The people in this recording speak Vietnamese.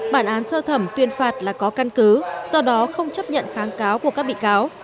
bản án sơ thẩm tuyên phạt là có căn cứ do đó không chấp nhận kháng cáo của các bị cáo